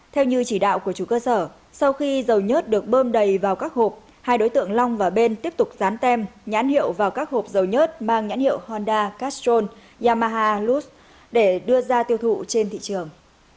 theo như chỉ đạo của chủ cơ sở sau khi dầu nhớt được bơm đầy vào các hộp hai đối tượng long và bên tiếp tục dán tem nhãn hiệu vào các hộp dầu nhớt mang nhãn hiệu honda castrol yamaha lus để đưa ra tiêu thụ trên thị trường